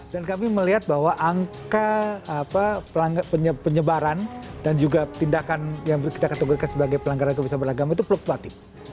dan kami melihat bahwa angka penyebaran dan juga tindakan yang kita kategorikan sebagai pelanggaran kebesaran beragama itu peluk peluk tip